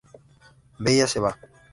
Bella se va.